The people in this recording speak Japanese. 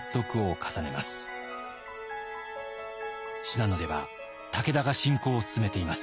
「信濃では武田が侵攻を進めています。